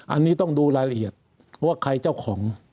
อันนี้ต้องดูรายละเอียดว่าใครเจ้าของ